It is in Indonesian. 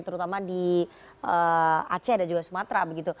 terutama di aceh dan juga sumatera